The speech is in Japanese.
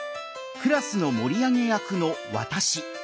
クラスの盛り上げ役の「わたし」。